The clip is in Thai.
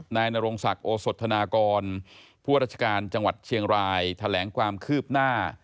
นายนรงศักดิ์โอสธนากรผู้ราชการจังหวัดเชียงรายแถลงความคืบหน้า